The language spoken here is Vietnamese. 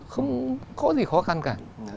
không có gì khó khăn cả